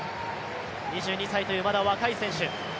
２２歳というまだ若い選手。